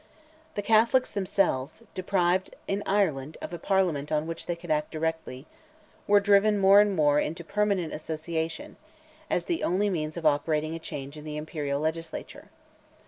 The Catholics themselves, deprived in Ireland of a Parliament on which they could act directly, were driven more and more into permanent association, as the only means of operating a change in the Imperial legislature.